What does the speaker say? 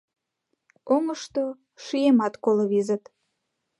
Оҥышто шиемат коло визыт.